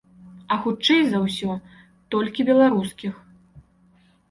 А хутчэй за ўсё, толькі беларускіх.